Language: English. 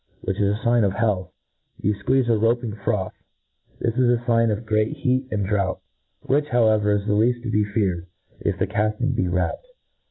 201 which IS" a fign of heahh, you fqueezc a roaping froth, this is a fign of great heat and drought j which, however, is the left to be feared, if the carting be wrapped.